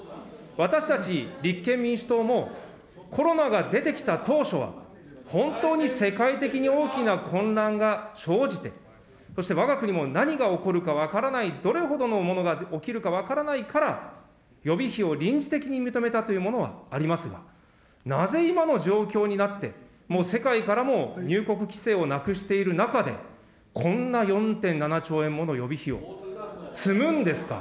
私たち立憲民主党も、コロナが出てきた当初は、本当に世界的に大きな混乱が生じて、そしてわが国も何が起こるか分からない、どれほどのものが起きるか分からないから、予備費を臨時的に認めたというものはありますが、なぜ今の状況になって、もう世界からも入国規制をなくしている中で、こんな４．７兆円もの予備費を積むんですか。